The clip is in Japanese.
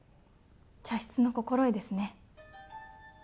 茶室の心得ですね？